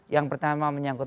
yang pertama menyangkut